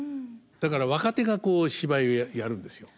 だから若手が芝居やるんですよ。